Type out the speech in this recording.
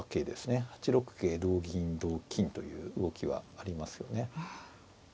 ８六桂同銀同金という動きはありますよね。